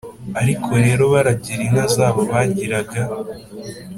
ariko rero baragira inka zabo bagiraga,